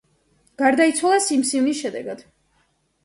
გარდაიცვალა სიმსივნის შედეგად.